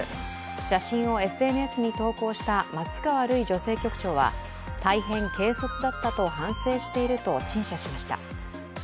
写真をＳＮＳに投稿した松川るい女性局長は大変軽率だったと反省していると陳謝しました。